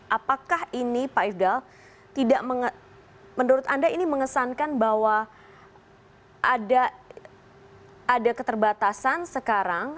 apakah ini pak ifdal tidak menurut anda ini mengesankan bahwa ada keterbatasan sekarang